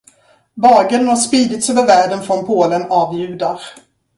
Bageln har spridits över världen från Polen av judar.